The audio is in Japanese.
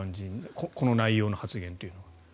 この内容の発言というのは。